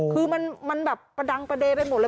คือมันแบบประดังประเด็นไปหมดเลย